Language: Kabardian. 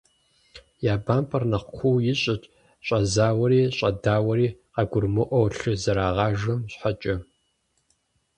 Я бампӀэр нэхъ куу ищӀырт щӀэзауэри щӀэдауэри къагурымыӀуэу лъы зэрагъажэм щхьэкӏэ.